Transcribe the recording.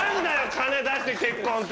金出して結婚って！